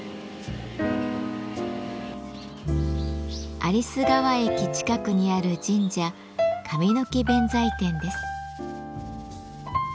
有栖川駅近くにある神社「神ノ木弁財天」です。